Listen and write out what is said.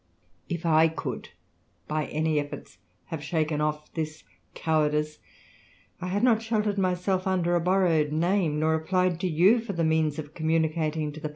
If I could by any efforts have shaken off this cowardice, I had not sheltered myself under a borrowed name, nor applied to you for the means of communicating to the 138 THE RAMBLER.